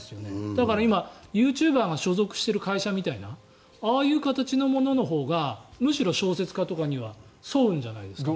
だから今ユーチューバーが所属しているようなああいう形のもののほうがむしろ、小説家とかには沿うんじゃないですかね。